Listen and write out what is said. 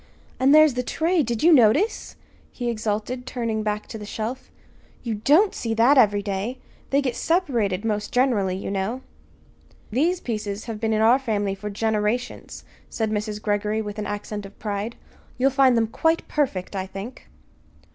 And there's the tray did you notice?" he exulted, turning back to the shelf. "You don't see that every day! They get separated, most generally, you know." "These pieces have been in our family for generations," said Mrs. Greggory with an accent of pride. "You'll find them quite perfect, I think."